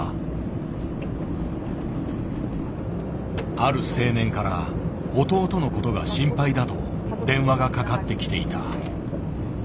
ある青年から弟のことが心配だと電話がかかってきていた。